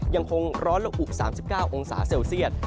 ยังคงร้อนละอุ๓๙องศาเซลเซียต